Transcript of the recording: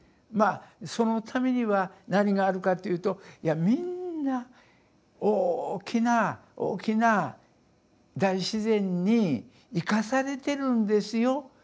まあそのためには何があるかというとみんな大きな大きな大自然に生かされてるんですよ。